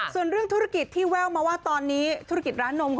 ส่วนเรื่องธุรกิจที่แววมาว่าตอนนี้ธุรกิจร้านนม